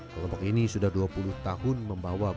kelompok ini sudah dua puluh tahun membawa